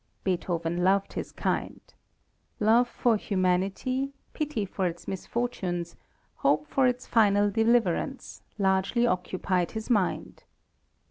Beethoven loved his kind. Love for humanity, pity for its misfortunes, hope for its final deliverance, largely occupied his mind.